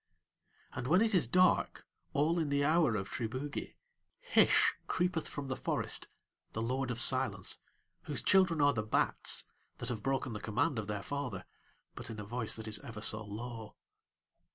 And when it is dark, all in the hour of Triboogie, Hish creepeth from the forest, the Lord of Silence, whose children are the bats, that have broken the command of their father, but in a voice that is ever so low.